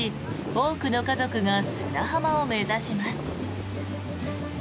多くの家族が砂浜を目指します。